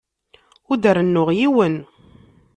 Ur d-rennuɣ yiwen.